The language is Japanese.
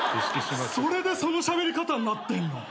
それでそのしゃべり方なってんの！？